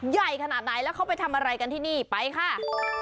ใหญ่ขนาดไหนแล้วเขาไปทำอะไรกันที่นี่ไปค่ะ